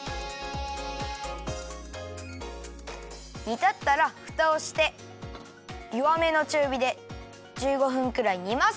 煮たったらフタをしてよわめのちゅうびで１５分くらい煮ます。